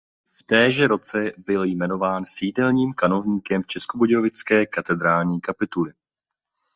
V témže roce byl jmenován sídelním kanovníkem českobudějovické katedrální kapituly.